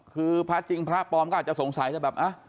คือพระจริงพระพระปอมก็อาจจะสงสัยว่าอ่ะ